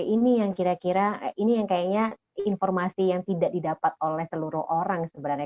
ini yang kira kira ini yang kayaknya informasi yang tidak didapat oleh seluruh orang sebenarnya